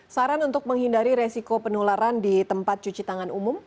saran untuk menghindari resiko penularan di tempat cuci tangan umum